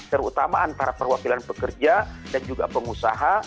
terutama antara perwakilan pekerja dan juga pengusaha